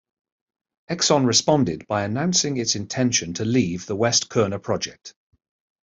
Exxon responded by announcing its intention to leave the West-Qurna project.